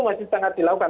itu masih sangat dilakukan